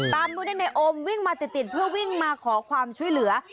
เมื่อได้ในโอมวิ่งมาติดเพื่อวิ่งมาขอความช่วยเหลือ